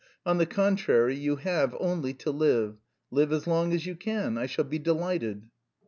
On the contrary, you have only to live. Live as long as you can. I shall be delighted."